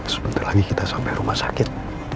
sebentar lagi kita sampai rumah sakit